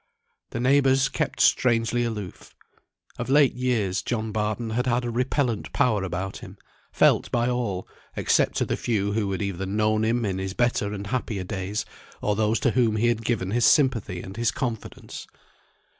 The neighbours kept strangely aloof. Of late years John Barton had had a repellent power about him, felt by all, except to the few who had either known him in his better and happier days, or those to whom he had given his sympathy and his confidence.